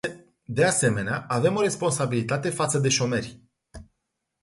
De asemenea, avem o responsabilitate față de șomeri.